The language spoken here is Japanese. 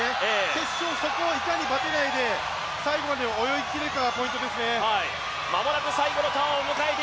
決勝、そこをいかにバテないで最後まで泳ぎ切れるかがポイントですね。